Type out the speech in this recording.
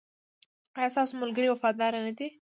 ایا ستاسو ملګري وفادار نه دي؟